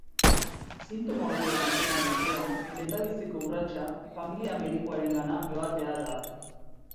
Sintoma horiek antzeman ostean, lehendabiziko urratsa familia-medikuarengana joatea da.